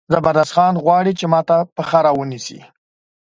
زبردست خان غواړي چې ما ته پښه را ونیسي.